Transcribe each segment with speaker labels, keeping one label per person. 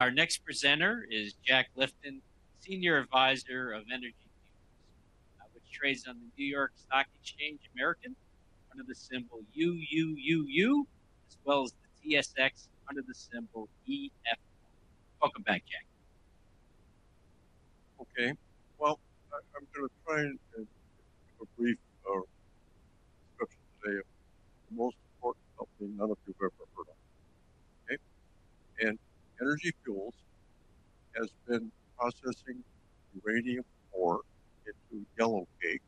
Speaker 1: Our next presenter is Jack Lifton, Senior Advisor of Energy Fuels, which trades on the New York Stock Exchange American under the symbol UUUU, as well as the TSX under the symbol EFR. Welcome back, Jack.
Speaker 2: Okay. I am going to try and give a brief description today of the most important company none of you have ever heard of. Okay? Energy Fuels has been processing uranium ore into yellowcake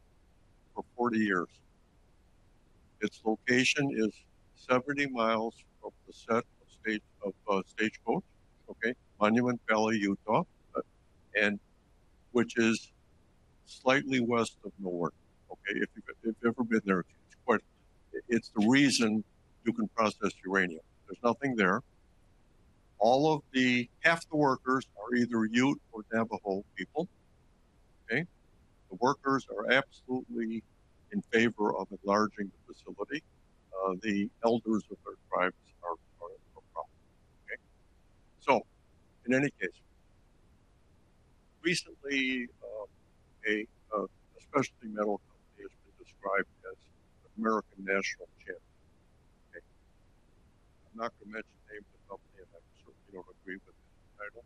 Speaker 2: for 40 years. Its location is 70 mi from the state of Stagecoach, okay, Monument Valley, Utah, which is slightly west of Newark. Okay? If you have ever been there, it is the reason you can process uranium. There is nothing there. Half the workers are either Ute or Navajo people. Okay? The workers are absolutely in favor of enlarging the facility. The elders of their tribes are pro. Okay? In any case, recently, a specialty metal company has been described as an American national champion. Okay? I am not going to mention the name of the company, and I certainly do not agree with that title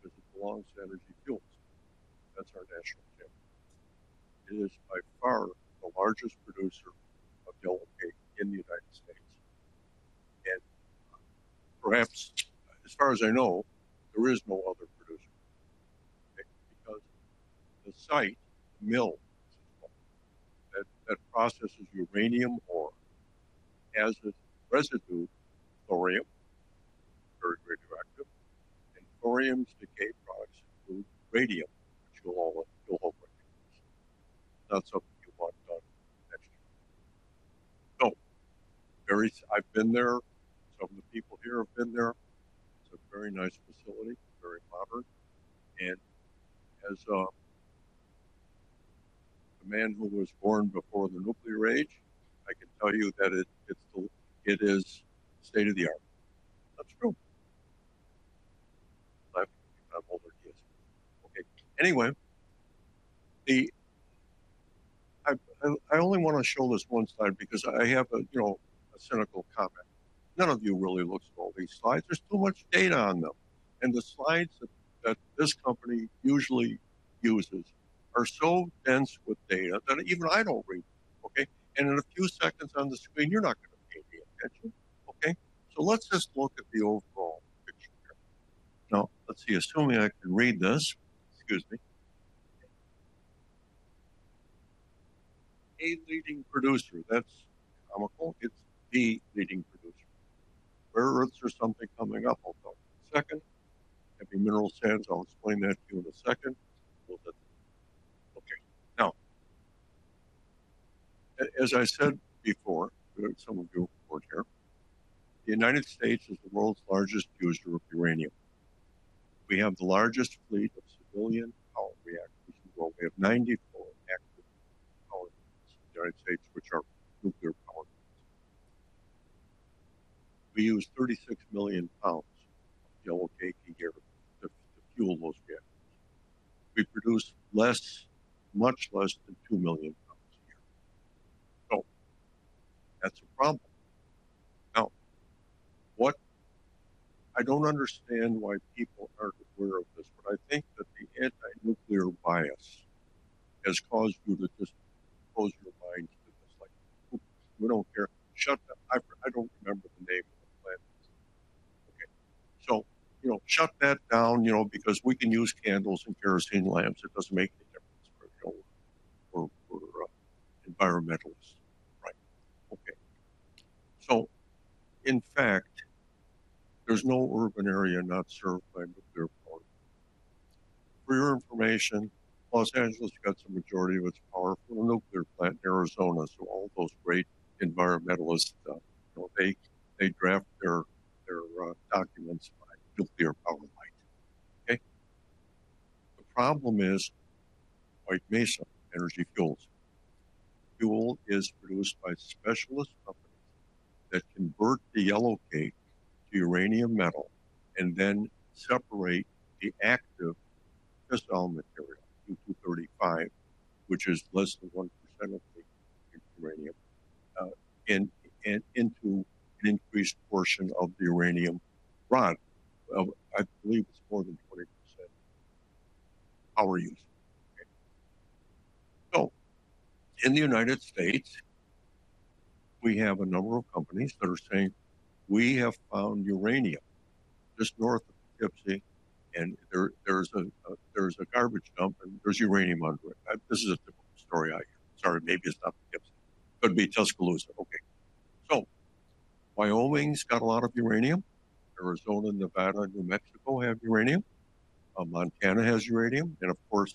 Speaker 2: because it belongs to Energy Fuels. That's our national champion. It is by far the largest producer of yellowcake in the United States. And perhaps, as far as I know, there is no other producer. Okay? Because the site, the mill, that processes uranium ore has its residue, thorium, very, very directive. And thorium decay products include radium, which you'll all recognize. That's something you want done next year. So, I've been there. Some of the people here have been there. It's a very nice facility, very modern. And as a man who was born before the nuclear age, I can tell you that it is state of the art. That's true. I have to think about older kids. Okay. Anyway, I only want to show this one slide because I have a cynical comment. None of you really looks at all these slides. There's too much data on them. The slides that this company usually uses are so dense with data that even I do not read them. Okay? In a few seconds on the screen, you are not going to pay any attention. Okay? Let us just look at the overall picture here. Now, let us see. Assuming I can read this. Excuse me. A leading producer. That is comical. It is the leading producer. Where is there something coming up? I will tell you in a second. Heavy mineral sands. I will explain that to you in a second. Okay. As I said before, some of you heard here, the United States is the world's largest user of uranium. We have the largest fleet of civilian power reactors in the world. We have 94 active power units in the United States, which are nuclear power units. We use 36 million pounds of yellowcake a year to fuel those reactors. We produce much less than 2 million pounds a year. That is a problem. Now, I do not understand why people are not aware of this, but I think that the anti-nuclear bias has caused you to just close your minds to this. We do not care. Shut that. I do not remember the name of the plant. Okay. Shut that down because we can use candles and kerosene lamps. It does not make any difference for environmentalists. Right. In fact, there is no urban area not served by nuclear power. For your information, Los Angeles got the majority of its power from a nuclear plant in Arizona. All those great environmentalists, they draft their documents by nuclear power light. Okay? The problem is, like Mesa Energy Fuels, fuel is produced by specialist companies that convert the yellowcake to uranium metal and then separate the active crystal material, U-235, which is less than 1% of the uranium, into an increased portion of the uranium rod. I believe it's more than 20% power use. Okay? In the United States, we have a number of companies that are saying, "We have found uranium just north of the Gypsy, and there's a garbage dump, and there's uranium under it." This is a different story. Sorry, maybe it's not the Gypsy. Could be Tuscaloosa. Okay. Wyoming's got a lot of uranium. Arizona, Nevada, New Mexico have uranium. Montana has uranium. And of course,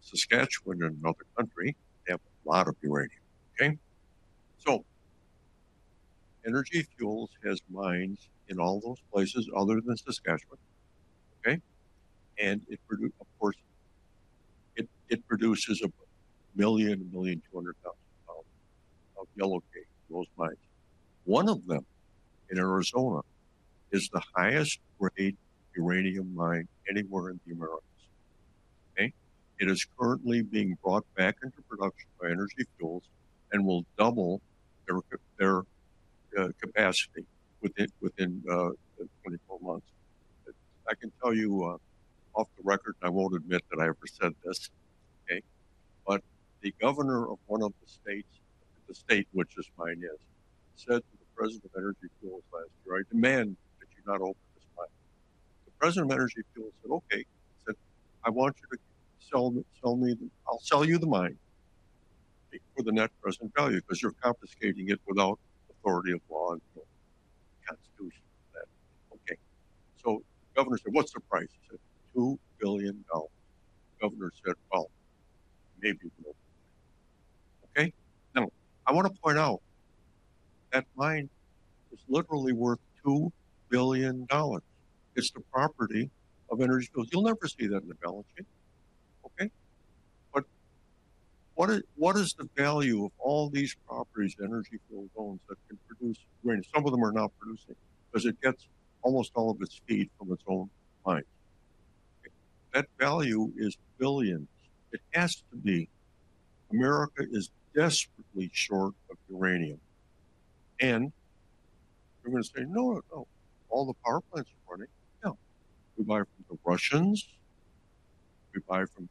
Speaker 2: Saskatchewan and another country have a lot of uranium. Okay? Energy Fuels has mines in all those places other than Saskatchewan. Okay? Of course, it produces a 1 million-1,200,000 pounds of yellowcake in those mines. One of them in Arizona is the highest-grade uranium mine anywhere in the Americas. It is currently being brought back into production by Energy Fuels and will double their capacity within 24 months. I can tell you off the record, and I will not admit that I ever said this. The governor of one of the states, the state in which this mine is, said to the president of Energy Fuels last year, "I demand that you not open this mine." The president of Energy Fuels said, "Okay." He said, "I want you to sell me. I will sell you the mine for the net present value because you are confiscating it without authority of law and constitution. The governor said, "What's the price?" He said, "$2 billion." The governor said, "Maybe $1 billion." Okay? I want to point out that mine is literally worth $2 billion. It's the property of Energy Fuels. You'll never see that in the balance sheet. Okay? What is the value of all these properties Energy Fuels owns that can produce uranium? Some of them are not producing because it gets almost all of its feed from its own mines. That value is billions. It has to be. America is desperately short of uranium. You're going to say, "No, no, no. All the power plants are running." Yeah. We buy from the Russians. We buy from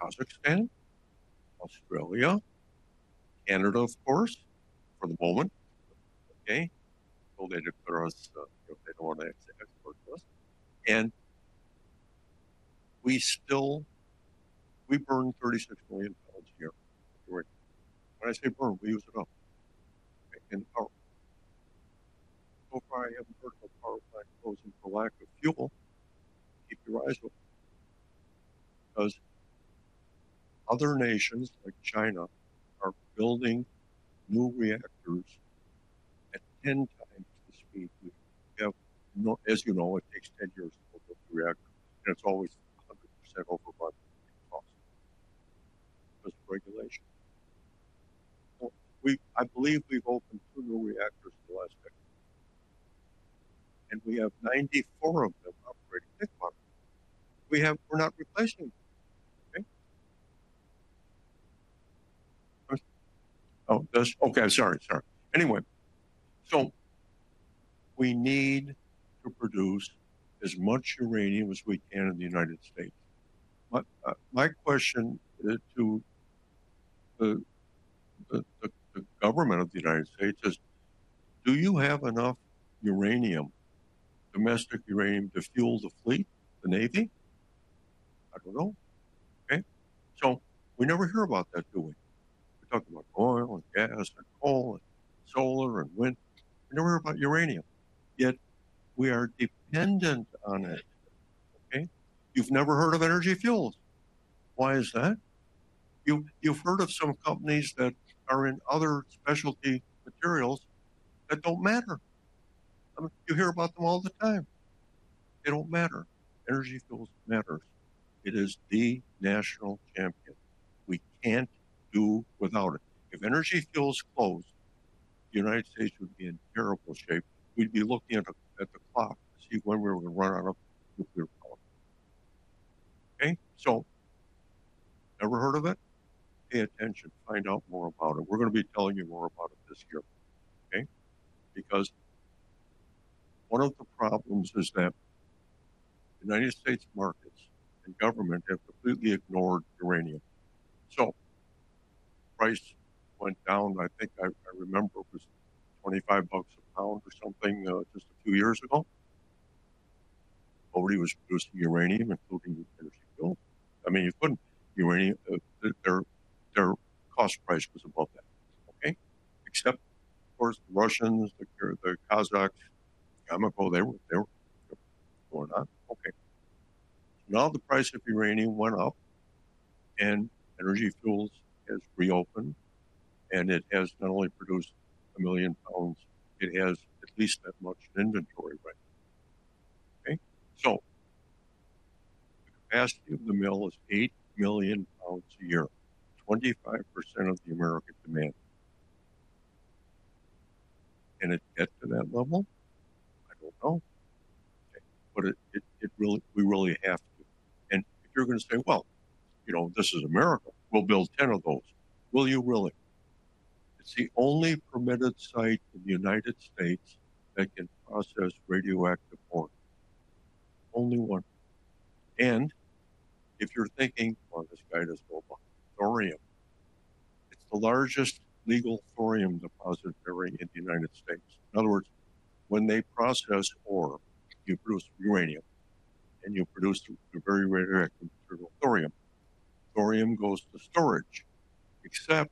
Speaker 2: Kazakhstan, Australia, Canada, of course, for the moment. Okay? Though they declare us, they do not want to export to us. We burn 36 million pounds a year of uranium. When I say burn, we use it up. And so far, I haven't heard of a power plant closing for lack of fuel. Keep your eyes open. Because other nations like China are building new reactors at 10x the speed we have. As you know, it takes 10 years to build a new reactor. And it's always 100% overrun in cost because of regulation. I believe we've opened two new reactors in the last decade. And we have 94 of them operating at economy. We're not replacing them. Okay? Okay. Sorry. Sorry. Anyway, so we need to produce as much uranium as we can in the United States. My question to the government of the United States is, do you have enough uranium, domestic uranium, to fuel the fleet, the Navy? I don't know. Okay? So we never hear about that, do we? We talk about oil and gas and coal and solar and wind. We never hear about uranium. Yet we are dependent on it. Okay? You've never heard of Energy Fuels. Why is that? You've heard of some companies that are in other specialty materials that do not matter. You hear about them all the time. They do not matter. Energy Fuels matters. It is the national champion. We cannot do without it. If Energy Fuels closed, the United States would be in terrible shape. We'd be looking at the clock to see when we were going to run out of nuclear power. Okay? Never heard of it? Pay attention. Find out more about it. We're going to be telling you more about it this year. Okay? Because one of the problems is that the United States markets and government have completely ignored uranium. So price went down. I think I remember it was $25 a pound or something just a few years ago. Nobody was producing uranium, including Energy Fuels. I mean, you couldn't. Their cost price was above that. Okay? Except, of course, the Russians, the Kazakhs, comical, they were not. Okay. Now the price of uranium went up, and Energy Fuels has reopened, and it has not only produced 1 million pounds, it has at least that much in inventory right now. Okay? The capacity of the mill is 8 million pounds a year, 25% of the American demand. Can it get to that level? I don't know. We really have to. If you're going to say, "This is America. We'll build 10 of those." Will you really? It's the only permitted site in the U.S. that can process radioactive ore. Only one. If you're thinking, "This guy doesn't know about thorium," it's the largest legal thorium depositary in the United States. In other words, when they process ore, you produce uranium, and you produce the very radioactive material thorium. Thorium goes to storage. Except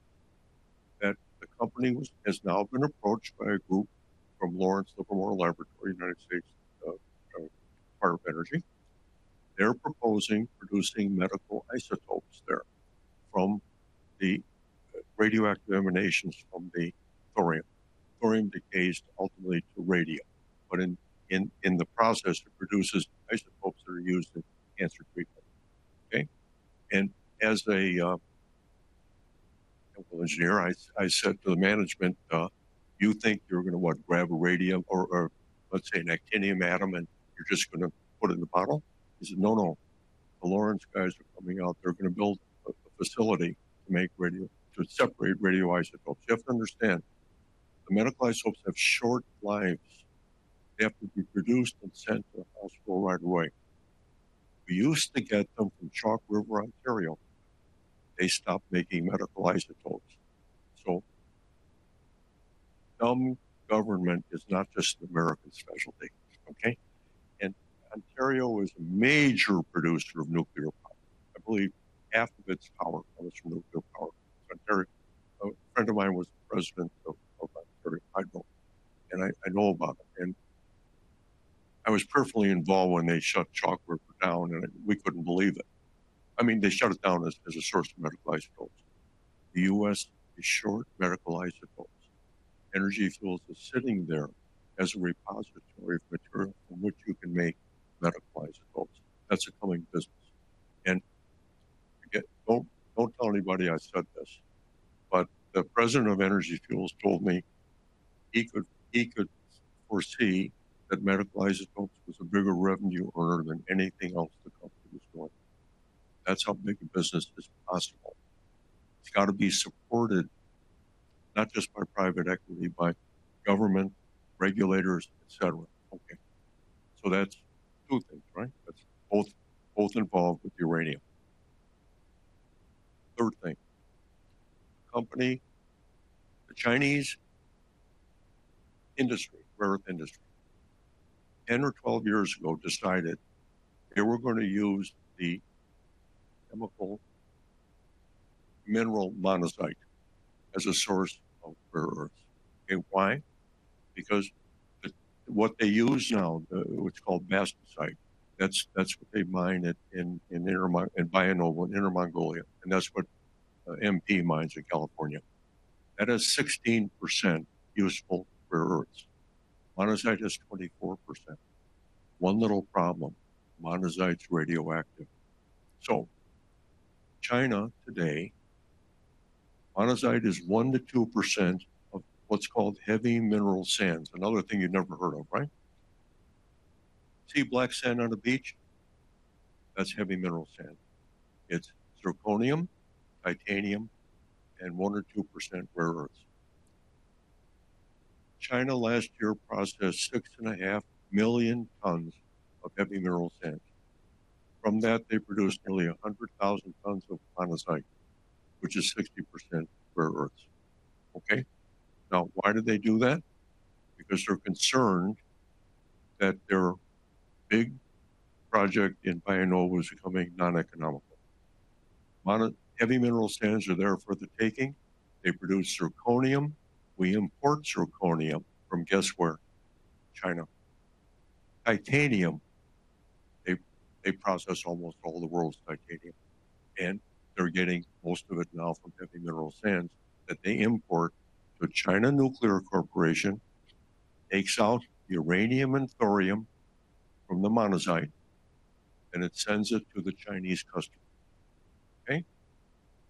Speaker 2: that the company has now been approached by a group from Lawrence Livermore Laboratory, United States Department of Energy. They're proposing producing medical isotopes there from the radioactive emanations from the thorium. Thorium decays ultimately to radium. In the process, it produces isotopes that are used in cancer treatment. Okay? As a chemical engineer, I said to the management, "You think you're going to, what, grab a radium or, let's say, an actinium atom, and you're just going to put it in the bottle?" He said, "No, no. The Lawrence guys are coming out. They're going to build a facility to separate radioisotopes. You have to understand, the medical isotopes have short lives. They have to be produced and sent to the hospital right away. We used to get them from Chalk River, Ontario. They stopped making medical isotopes. So dumb government is not just an American specialty. Okay? And Ontario is a major producer of nuclear power. I believe half of its power comes from nuclear power. A friend of mine was the president of Ontario Hydro, and I know about it. I was carefully involved when they shut Chalk River down, and we could not believe it. I mean, they shut it down as a source of medical isotopes. The U.S. is short medical isotopes. Energy Fuels is sitting there as a repository of material from which you can make medical isotopes. That's a coming business. Don't tell anybody I said this, but the President of Energy Fuels told me he could foresee that medical isotopes was a bigger revenue earner than anything else the company was doing. That's how big a business is possible. It's got to be supported not just by private equity, by government, regulators, etc. Okay. That's two things, right? That's both involved with uranium. Third thing, the Chinese industry, rare earth industry, 10 years or 12 years ago decided they were going to use the chemical mineral monazite as a source of rare earth. Okay. Why? Because what they use now, it's called bastnasite. That's what they mine in Bayan Obo and Inner Mongolia. And that's what MP mines in California. That is 16% useful rare earths. Monazite is 24%. One little problem, monazite's radioactive. China today, monazite is 1%-2% of what's called heavy mineral sands. Another thing you've never heard of, right? See black sand on a beach? That's heavy mineral sand. It's zirconium, titanium, and 1% or 2% rare earths. China last year processed 6.5 million tons of heavy mineral sands. From that, they produced nearly 100,000 tons of monazite, which is 60% rare earths. Okay? Now, why did they do that? Because they're concerned that their big project in Bayanova is becoming non-economical. Heavy mineral sands are there for the taking. They produce zirconium. We import zirconium from guess where? China. Titanium, they process almost all the world's titanium. And they're getting most of it now from heavy mineral sands that they import to China National Nuclear Corporation, takes out uranium and thorium from the monazite, and it sends it to the Chinese customers. Okay?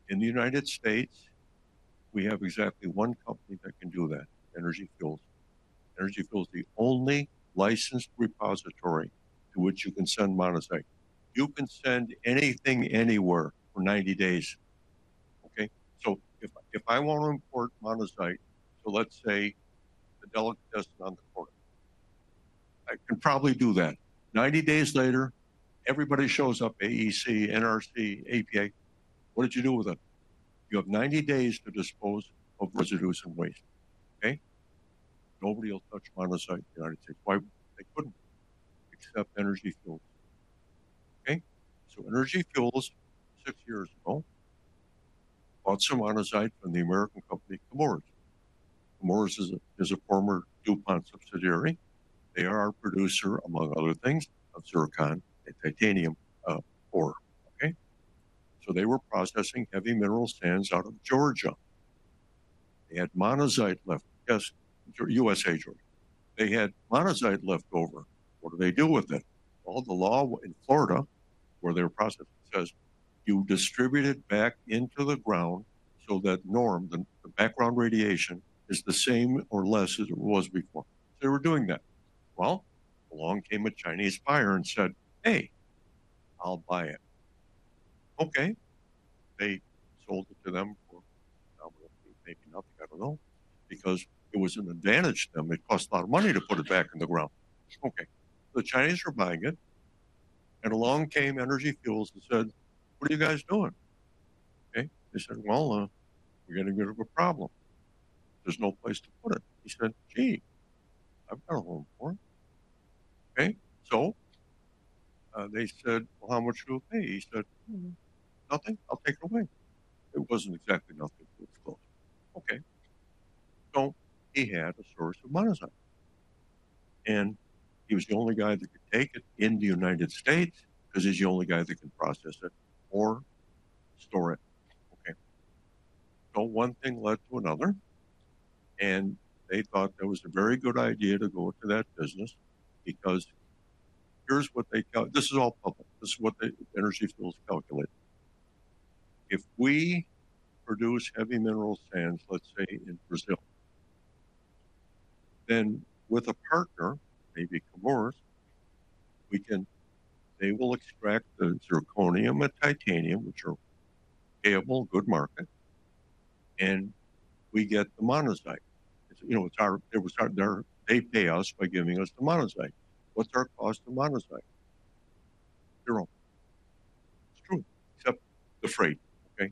Speaker 2: In the United States, we have exactly one company that can do that, Energy Fuels. Energy Fuels is the only licensed repository to which you can send monazite. You can send anything anywhere for 90 days. Okay? If I want to import monazite, let's say the delicatessen on the corner, I can probably do that. Ninety days later, everybody shows up, AEC, NRC, APA. What did you do with it? You have 90 days to dispose of residues and waste. Okay? Nobody will touch monazite in the United States. Why? They could not except Energy Fuels. Okay? Energy Fuels, six years ago, bought some monazite from the American company Chemours. Chemours is a former DuPont subsidiary. They are a producer, among other things, of zircon and titanium ore. Okay? They were processing heavy mineral sands out of Georgia. They had monazite left. Yes, United States, Georgia. They had monazite leftover. What do they do with it? The law in Florida where they were processing says, "You distribute it back into the ground so that norm, the background radiation, is the same or less as it was before." They were doing that. Along came a Chinese buyer and said, "Hey, I'll buy it." Okay. They sold it to them for, I don't know, maybe nothing, I don't know, because it was an advantage to them. It cost a lot of money to put it back in the ground. The Chinese are buying it. Along came Energy Fuels and said, "What are you guys doing?" They said, "Well, we're going to get into a problem. There's no place to put it." He said, "Gee, I've got a home for it." They said, "Well, how much do you pay?" He said, "Nothing. I'll take it away. It wasn't exactly nothing to its close. Okay. So he had a source of monazite. And he was the only guy that could take it into the United States because he's the only guy that can process it or store it. Okay. One thing led to another. They thought that was a very good idea to go to that business because here's what they calculated. This is all public. This is what Energy Fuels calculated. If we produce heavy mineral sands, let's say in Brazil, then with a partner, maybe Chemours, they will extract the zirconium and titanium, which are payable, good market, and we get the monazite. They pay us by giving us the monazite. What's our cost of monazite? Zero. It's true. Except the freight. Okay.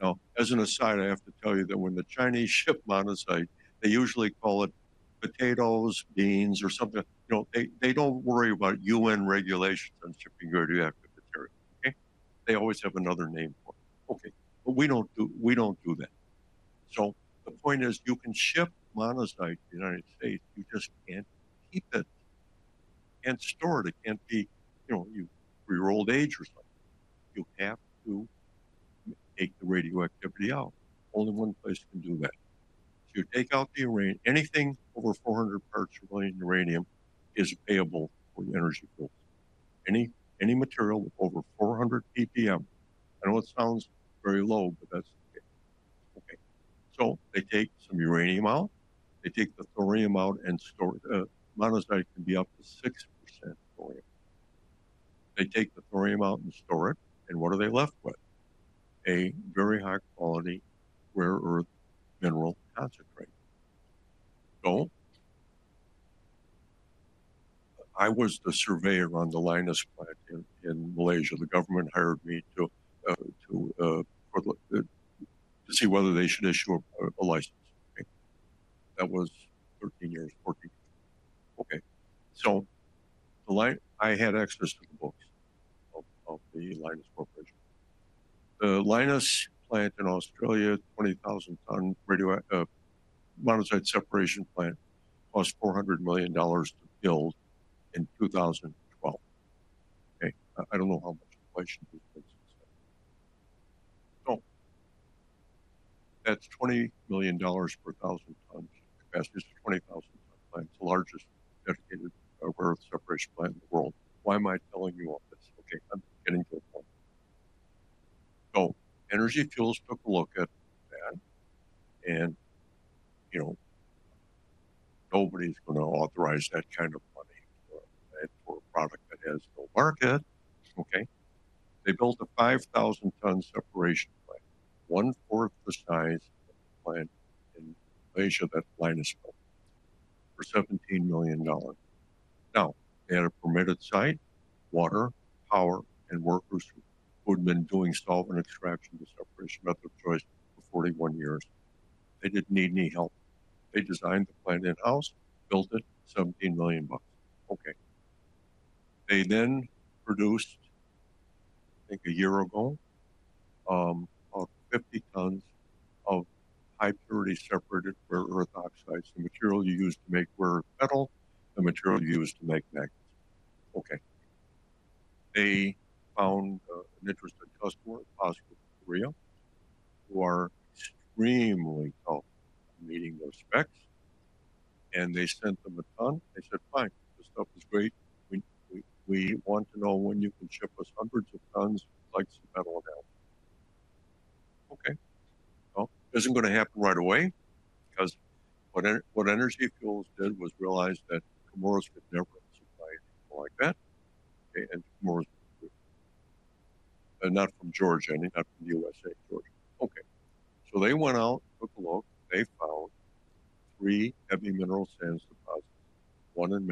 Speaker 2: Now, as an aside, I have to tell you that when the Chinese ship monazite, they usually call it potatoes, beans, or something. They do not worry about UN regulations on shipping radioactive material. Okay? They always have another name for it. Okay. We do not do that. The point is, you can ship monazite to the United States. You just cannot keep it and store it. It cannot be for your old age or something. You have to take the radioactivity out. Only one place can do that. You take out the uranium. Anything over 400 parts per million uranium is payable for Energy Fuels. Any material over 400 ppm. I know it sounds very low, but that is okay. Okay. They take some uranium out. They take the thorium out and store it. Monazite can be up to 6% thorium. They take the thorium out and store it. What are they left with? A very high-quality rare earth mineral concentrate. I was the surveyor on the Lynas plant in Malaysia. The government hired me to see whether they should issue a license. That was 13 years, 14 years. I had access to the books of the Lynas Corporation. The Lynas plant in Australia, 20,000-ton monazite separation plant, cost $400 million to build in 2012. I do not know how much inflation these places have. That is $20 million per 1,000 tons capacity. It is a 20,000-ton plant. It is the largest dedicated rare earth separation plant in the world. Why am I telling you all this? I am getting to a point. Energy Fuels took a look at that, and nobody is going to authorize that kind of money for a product that has no market. They built a 5,000-ton separation plant, one-fourth the size of the plant in Malaysia that Lynas built, for $17 million. Now, they had a permitted site, water, power, and workers who had been doing solvent extraction and separation method of choice for 41 years. They did not need any help. They designed the plant in-house, built it, $17 million bucks. Okay. They then produced, I think a year ago, about 50 tons of high-purity separated rare earth oxides, the material you use to make rare earth metal, the material you use to make magnesium. Okay. They found an interested customer, POSCO Korea, who are extremely confident in meeting their specs. And they sent them a ton. They said, "Fine. This stuff is great. We want to know when you can ship us hundreds of tons of like some metal in-house." Okay. It is not going to happen right away because what Energy Fuels did was realize that Chemours could never supply anything like that. Okay. And Chemours was not from Georgia, not from the U.S.A., Georgia. Okay. They went out, took a look. They found three heavy mineral sands deposits, one in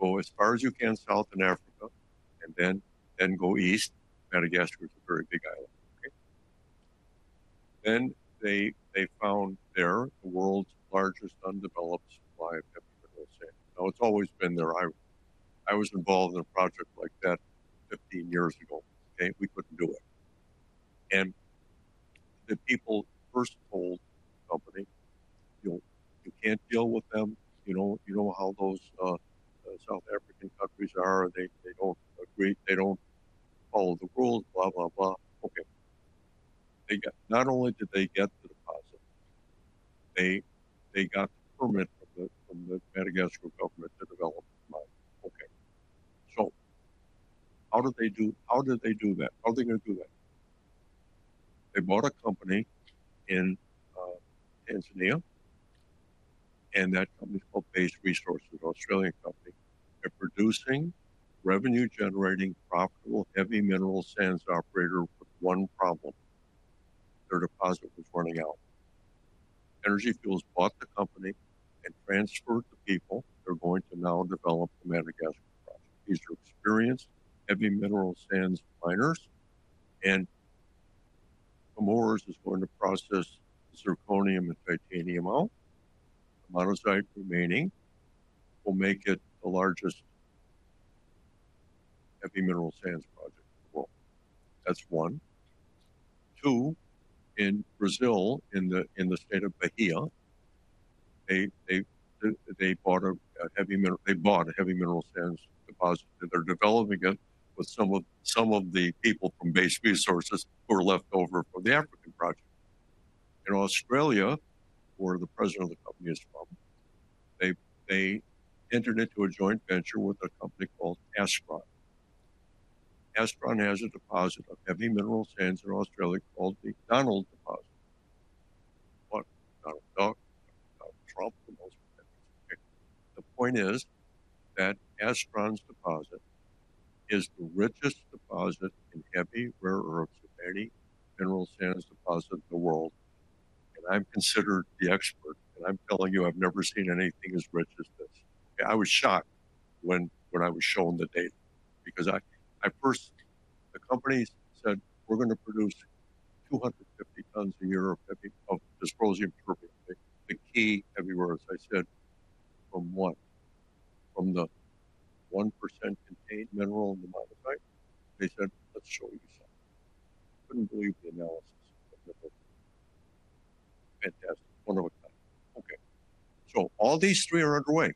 Speaker 2: Madagascar. Where is that? Okay. As far as you can south in Africa, and then go east. Madagascar is a very big island. Okay. They found there the world's largest undeveloped supply of heavy mineral sand. Now, it has always been there. I was involved in a project like that 15 years ago. Okay. We could not do it. The people first told the company, "You cannot deal with them. You know how those South African countries are. They do not follow the rules, blah, blah, blah." Okay. Not only did they get the deposit, they got the permit from the Madagascar government to develop the mine. Okay. How did they do that? How are they going to do that? They bought a company in Tanzania, and that company's called Base Resources, an Australian company. They're producing, revenue-generating, profitable heavy mineral sands operator with one problem. Their deposit was running out. Energy Fuels bought the company and transferred the people. They're going to now develop the Madagascar project. These are experienced heavy mineral sands miners. Chemours is going to process the zirconium and titanium out. The monazite remaining will make it the largest heavy mineral sands project in the world. That's one. Two, in Brazil, in the state of Bahia, they bought a heavy mineral sands deposit. They're developing it with some of the people from Base Resources who were left over from the African project. In Australia, where the President of the company is from, they entered into a joint venture with a company called Astron. Astron has a deposit of heavy mineral sands in Australia called the Donald Project. What? Donald Duck, Donald Trump, the most. Okay. The point is that Astron's deposit is the richest deposit in heavy rare earth mineral sands deposit in the world. And I'm considered the expert. And I'm telling you, I've never seen anything as rich as this. I was shocked when I was shown the data because I first, the company said, "We're going to produce 250 tons a year of disposing of turbine." The key heavy minerals, I said, "From what? From the 1% contained mineral in the monazite?" They said, "Let's show you something." Couldn't believe the analysis of the book. Fantastic. One of a kind. Okay. All these three are underway.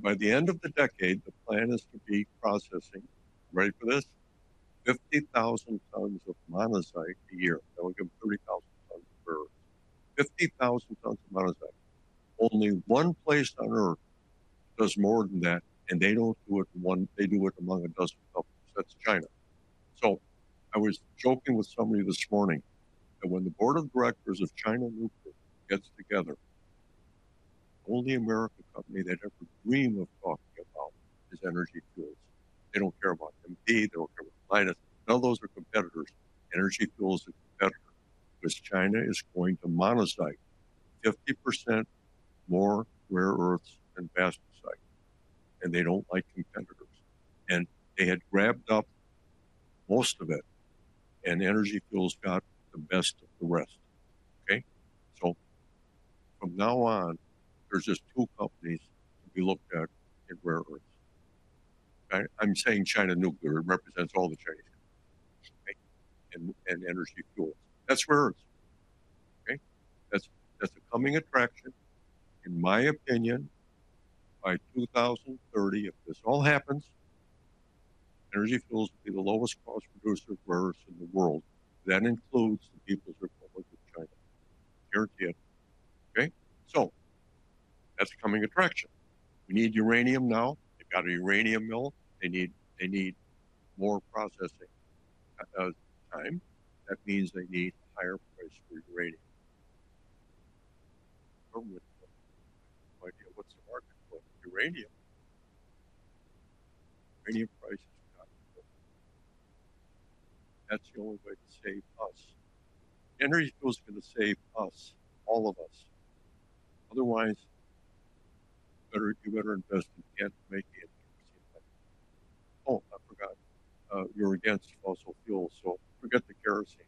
Speaker 2: By the end of the decade, the plan is to be processing, ready for this, 50,000 tons of monazite a year. That would give them 30,000 tons of rare earth. 50,000 tons of monazite. Only one place on earth does more than that, and they do not do it in one; they do it among a dozen companies. That is China. I was joking with somebody this morning that when the board of directors of China National Nuclear gets together, the only American company they would ever dream of talking about is Energy Fuels. They do not care about MP. They do not care about Lynas. None of those are competitors. Energy Fuels is a competitor because China is going to monazite 50% more rare earths than bastnasite. They do not like competitors. They had grabbed up most of it, and Energy Fuels got the best of the rest. Okay. From now on, there's just two companies to be looked at in rare earths. I'm saying China National Nuclear represents all the Chinese companies. Okay. And Energy Fuels. That's rare earths. Okay. That's a coming attraction, in my opinion. By 2030, if this all happens, Energy Fuels will be the lowest-cost producer of rare earths in the world. That includes the People's Republic of China. I guarantee it. Okay. That's a coming attraction. We need uranium now. They've got a uranium mill. They need more processing time. That means they need a higher price for uranium. No idea what's the market for uranium. Uranium price has got to go up. That's the only way to save us. Energy Fuels is going to save us, all of us. Otherwise, you better invest in anti-kerosene petrol. Oh, I forgot. You're against fossil fuels, so forget the kerosene.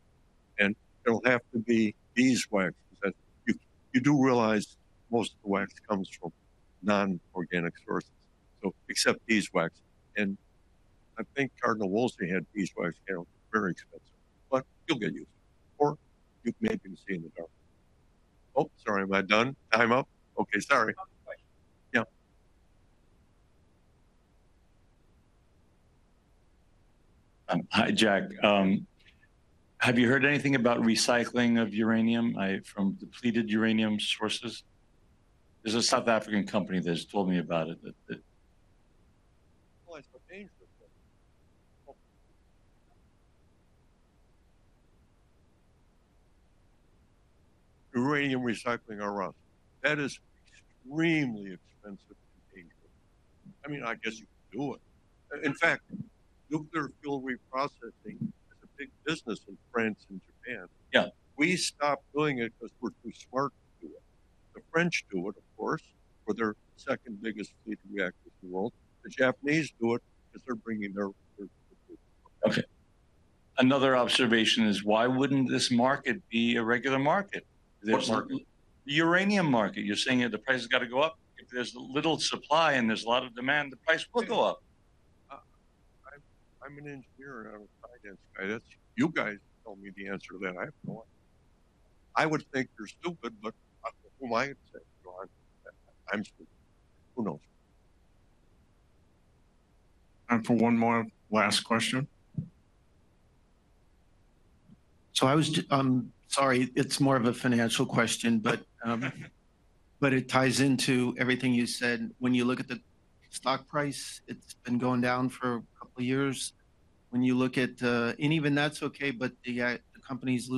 Speaker 2: It'll have to be beeswax because you do realize most of the wax comes from non-organic sources. So accept beeswax. I think Cardinal Wolsey had beeswax candles. Very expensive. You'll get used to it. Or you may be seeing the dark. Oh, sorry. Am I done? Time up? Okay. Sorry. Yeah. Hi, Jack. Have you heard anything about recycling of uranium from depleted uranium sources? There's a South African company that has told me about it. It's a dangerous thing. Uranium recycling, rough. That is extremely expensive and dangerous. I mean, I guess you can do it. In fact, nuclear fuel reprocessing is a big business in France and Japan. Yeah. We stopped doing it because we're too smart to do it. The French do it, of course, for their second biggest fleet reactors in the world. The Japanese do it because they're bringing their fleets. Okay. Another observation is, why wouldn't this market be a regular market? The uranium market, you're saying the price has got to go up. If there's little supply and there's a lot of demand, the price will go up. I'm an engineer not a finance guy. You guys tell me the answer to that. I have no idea. I would think you're stupid, but who am I to say? I'm stupid. Who knows?
Speaker 1: Time for one more last question. I was sorry. It's more of a financial question, but it ties into everything you said. When you look at the stock price, it's been going down for a couple of years. When you look at, and even that's okay, but the companies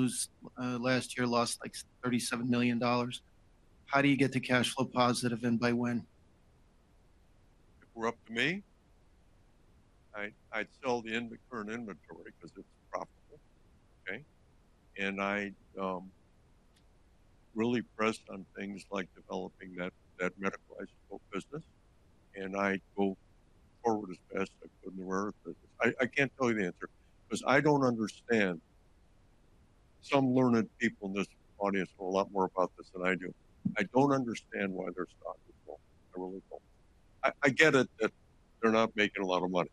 Speaker 1: last year lost like $37 million. How do you get the cash flow positive and by when?
Speaker 2: If it were up to me, I'd sell the current inventory because it's profitable. Okay. I really press on things like developing that medical isotope business. I go forward as fast as I could in the rare earth business. I can't tell you the answer because I don't understand. Some learned people in this audience know a lot more about this than I do. I don't understand why their stock is low. I really don't. I get it that they're not making a lot of money.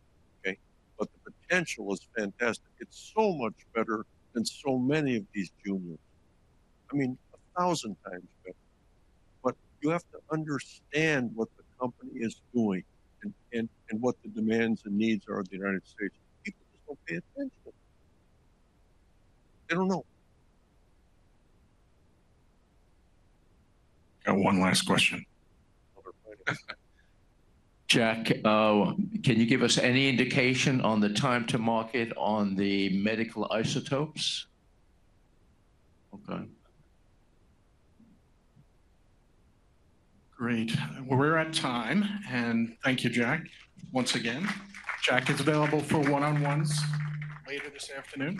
Speaker 2: Okay. The potential is fantastic. It's so much better than so many of these juniors. I mean, a thousand times better. You have to understand what the company is doing and what the demands and needs are of the United States. People just don't pay attention. They don't know.
Speaker 1: Got one last question. Jack, can you give us any indication on the time to market on the medical isotopes? Okay. Great. We are at time. And thank you, Jack, once again. Jack is available for one-on-ones later this afternoon.